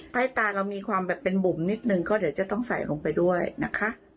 ใต้ตาเรามีความแบบเป็นบุ่มนิดนึงก็เดี๋ยวจะต้องใส่ลงไปด้วยนะคะ